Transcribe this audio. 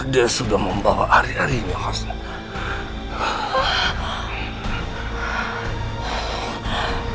dia sudah membawa hari harinya aslan